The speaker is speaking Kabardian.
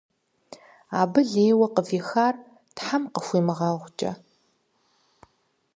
Абы лейуэ къывихар Тхьэм къыхуимыгъэгъукӀэ.